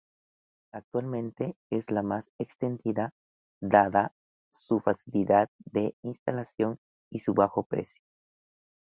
Actualmente es la más extendida dada su facilidad de instalación y su bajo precio.